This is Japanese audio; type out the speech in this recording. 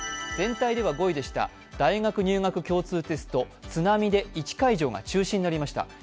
全体では５位でした、大学入学共通テスト津波で１会場が中止になりました。